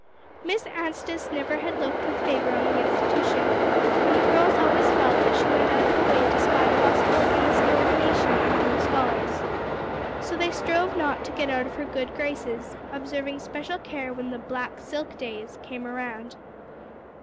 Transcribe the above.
Miss Anstice never had looked with favor on the institution, and the girls always felt that she went out of her way to spy possible insubordination among the scholars. So they strove not to get out of her good graces, observing special care when the "black silk days" came around.